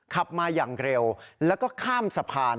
ขับมาอย่างเร็วแล้วก็ข้ามสะพาน